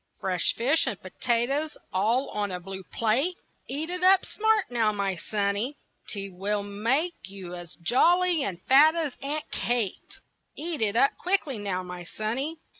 Fresh fish and potatoes all on a blue plate Eat it up smart now, my sonny. 'T will make you as jolly and fat as Aunt Kate Eat it up quick now, my sonny.